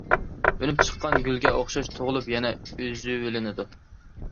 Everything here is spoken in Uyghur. ئۈنۈپ چىققان گۈلگە ئوخشاش تۇغۇلۇپ يەنە ئۈزۈۋېلىنىدۇ.